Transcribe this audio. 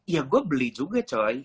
ya gue beli juga cai